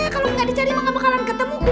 kalo gak dicari gak bakalan ketemu